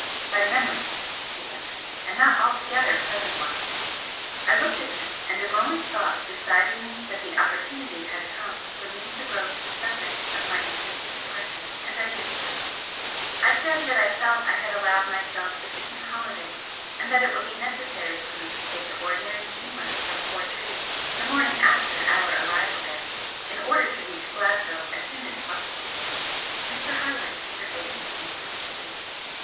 "By memories," he answered "And not altogether pleasant ones!" I looked at him, and a moment's thought decided me that the opportunity had come for me to broach the subject of my intended departure, and I did so. I said that I felt I had allowed myself sufficient holiday, and that it would be necessary for me to take the ordinary steamer from Portree the morning after our arrival there in order to reach Glasgow as soon as possible. Mr. Harland surveyed me inquisitively.